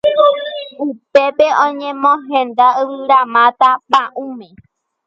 Upépe oñemohenda yvyramáta pa'ũme